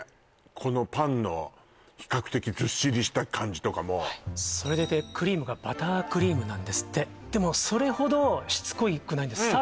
このパンの比較的ずっしりした感じとかもそれでいてクリームがバタークリームなんですってでもそれほどしつこくないんですさ